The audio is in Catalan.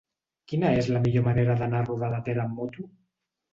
Quina és la millor manera d'anar a Roda de Ter amb moto?